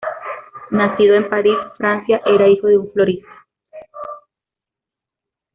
Nacido en París, Francia, era hijo de un florista.